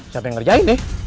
siapa yang ngerjain nih